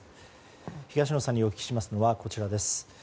東野さんにお聞きしますのは、こちらです。